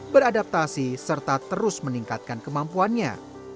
beradaptasi serta terus meningkatkan kemampuannya